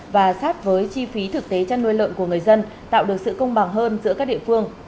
và sát với chi phí thực tế chăn nuôi lợn của người dân tạo được sự công bằng hơn giữa các địa phương